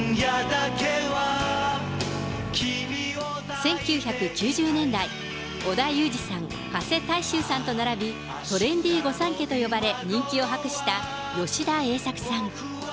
１９９０年代、織田裕二さん、加勢大周さんと並び、トレンディー御三家と呼ばれ、人気を博した吉田栄作さん。